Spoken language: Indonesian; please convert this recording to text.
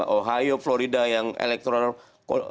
ohio florida yang elektronik